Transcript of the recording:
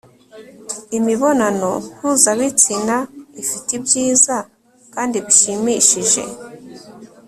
imibonano mpuzabitsina ifite ibyiza kandi bishimishije